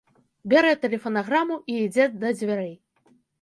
Бярэ тэлефанаграму і ідзе да дзвярэй.